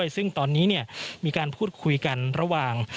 ตรงนี้มีการพูดคุยระว่าง